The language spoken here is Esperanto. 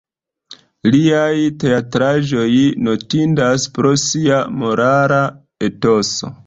Liaj teatraĵoj notindas pro sia morala etoso.